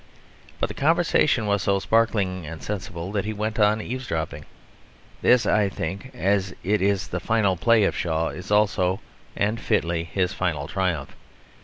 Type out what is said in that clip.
But the conversation was so sparkling and sensible that he went on eavesdropping. This, I think, as it is the final play of Shaw, is also, and fitly, his final triumph.